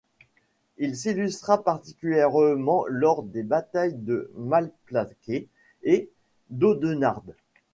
Il s'illustra particulièrement lors des batailles de Malplaquet et d’Audenarde.